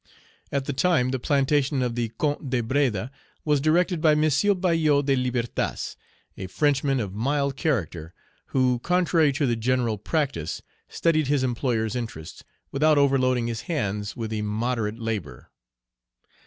At the time the plantation of the Count de Breda was directed by M. Bayou de Libertas, a Frenchman of mild character, who, contrary to the general practice, studied his employer's interests, without overloading his hands with immoderate labor.